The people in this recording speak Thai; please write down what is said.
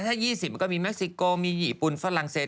ถ้า๒๐มันก็มีเม็กซิโกมีญี่ปุ่นฝรั่งเศส